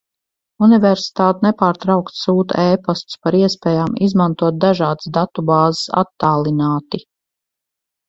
Universitāte nepārtraukti sūta e-pastus par iespējām izmantot dažādas datu bāzes attālināti.